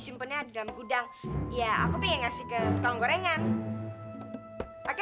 lihat dia udah jadi anak yang baik